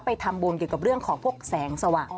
ไปทำบุญเกี่ยวกับเรื่องของพวกแสงสว่าง